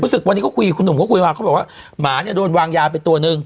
รู้สึกวันนี้เขาคุยคุณหนุ่มก็คุยมาเขาบอกว่าหมาเนี่ยโดนวางยาไปตัวนึง